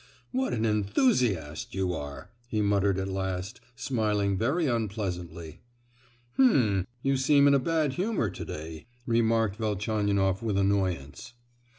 "What an enthusiast you are!" he muttered at last, smiling very unpleasantly. "Hum, you seem in a bad humour to day!" remarked Velchaninoff with annoyance.